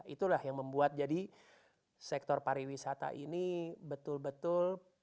itulah yang membuat jadi sektor pariwisata ini betul betul